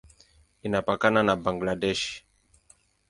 Inapakana na Bangladesh.